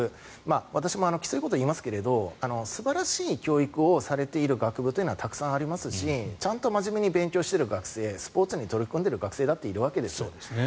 私も厳しいことを言いますけれど素晴らしい教育をされている学部というのはたくさんありますしちゃんと真面目に勉強している学生スポーツに取り組んでいる学生もいるわけです。